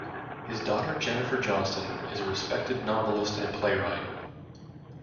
His daughter Jennifer Johnston is a respected novelist and playwright.